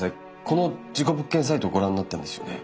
この事故物件サイトをご覧になったんですよね？